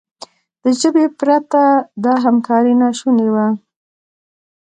له ژبې پرته دا همکاري ناشونې وه.